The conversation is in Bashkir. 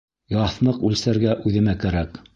Яҫмыҡ үлсәргә үҙемә кәрәк.